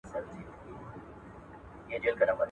چي نااهله واكداران چيري پيدا سي `